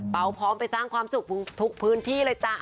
พร้อมไปสร้างความสุขทุกพื้นที่เลยจ้ะ